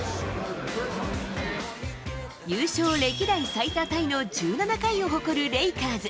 優勝歴代最多タイの１７回を誇るレイカーズ。